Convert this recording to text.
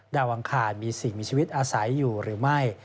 อังคารมีสิ่งมีชีวิตอาศัยอยู่หรือไม่